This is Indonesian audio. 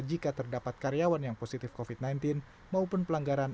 jika terdapat karyawan yang positif covid sembilan belas maupun pelanggaran